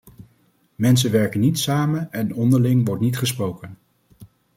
Mensen werken niet samen en onderling wordt niet gesproken.